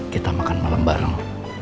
kita makan malam bareng